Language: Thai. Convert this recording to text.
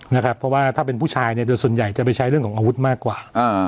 เพราะว่าถ้าเป็นผู้ชายเนี่ยโดยส่วนใหญ่จะไปใช้เรื่องของอาวุธมากกว่า